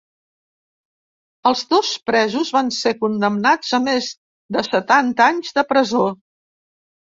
Els dos presos van ser condemnats a més de setanta anys de presó.